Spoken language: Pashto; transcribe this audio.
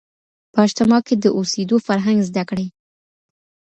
په اجتماع کي د اوسېدو فرهنګ زده کړئ.